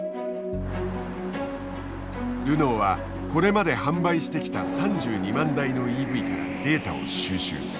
ルノーはこれまで販売してきた３２万台のＥＶからデータを収集。